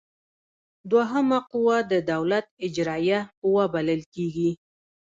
دوهمه قوه د دولت اجراییه قوه بلل کیږي.